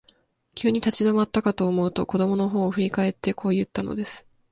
急に立ち止まったかと思うと、子供のほうを振り返って、こう言ったのです。